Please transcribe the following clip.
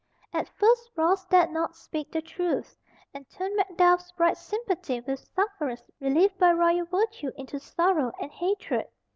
At first Ross dared not speak the truth, and turn Macduff's bright sympathy with sufferers relieved by royal virtue into sorrow and hatred.